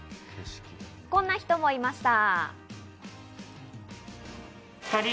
こんな人もいました。